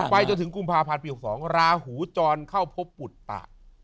ไปจนถึงกุมภาพันธ์ปี๖๒ราหูจรเข้าพบปุตตะ